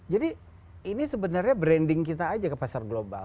jadi ini sebenarnya branding kita aja ke pasar global